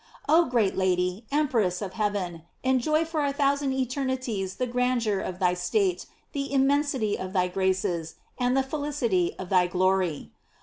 Oh great Lady, em press of heaven, enjoy for a thousand eternities the grandeur of thy state, the immensity of thy graces, and the felicity of thy glory.